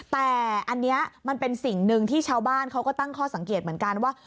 แต่อันนี้มันเป็นสิ่งหนึ่งที่ชาวบ้านเขาก็ตั้งข้อสังเกตเหมือนกันว่า